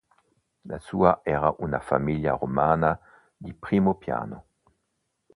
La sua era una famiglia romana di primo piano.